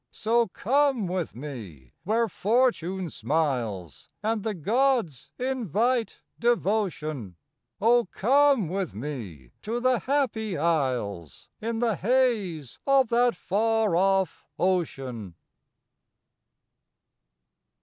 So come with me where Fortune smiles And the gods invite devotion, Oh, come with me to the Happy Isles In the haze of that far off ocean!